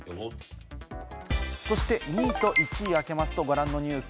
そして２位と１位を開けますとご覧のニュース。